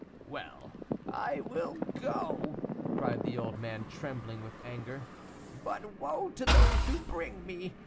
"Well, I will go," cried the old man, trembling with anger; "but woe to those who bring me.